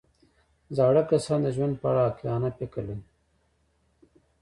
زاړه کسان د ژوند په اړه عاقلانه فکر لري